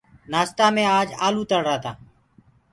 نآستآ مي آج آلوُ تݪرآ تآ۔